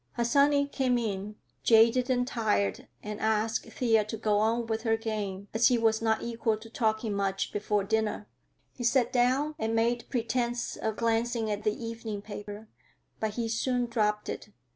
Harsanyi came in, jaded and tired, and asked Thea to go on with her game, as he was not equal to talking much before dinner. He sat down and made pretense of glancing at the evening paper, but he soon dropped it.